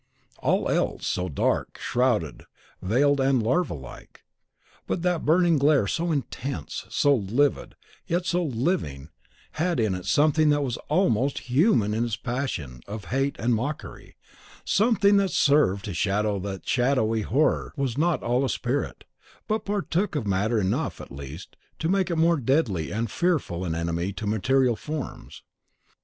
All else so dark, shrouded, veiled and larva like. But that burning glare so intense, so livid, yet so living, had in it something that was almost HUMAN in its passion of hate and mockery, something that served to show that the shadowy Horror was not all a spirit, but partook of matter enough, at least, to make it more deadly and fearful an enemy to material forms.